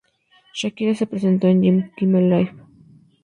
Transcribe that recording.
Shakira se presentó en "Jimmy Kimmel Live!